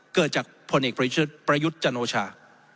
เกิดจากพลเอกประยุทธ์จันโอชา